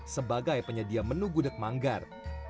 sebagai penyedia menu gudeg manggar